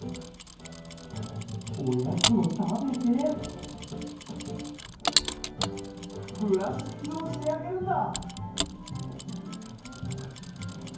おやつをたべてブラッシングもしてあげるんだ！